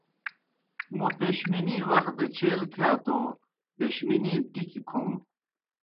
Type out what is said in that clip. موں پیشمِنِی وخ دہ چیل تِھیا توْ پیشمِنِی ٹِکیْ کھوم۔